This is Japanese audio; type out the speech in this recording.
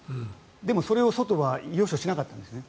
でも、それをソトはよしとしなかったんですね。